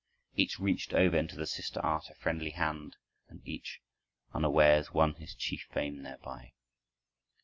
Each reached over into the sister art a friendly hand, and each, unawares, won his chief fame thereby.